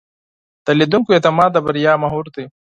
د لیدونکو اعتماد د بریا محور دی.